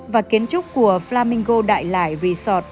và kiến trúc của flamingo đại lải resort